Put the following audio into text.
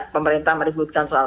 pemerintah meribukan soal